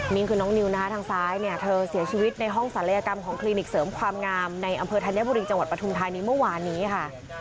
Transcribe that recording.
นี่คือน้องนิวนะคะทางซ้ายเนี่ยเธอเสียชีวิตในห้องศัลยกรรมของคลินิกเสริมความงามในอำเภอธัญบุรีจังหวัดปทุมธานีเมื่อวานนี้ค่ะ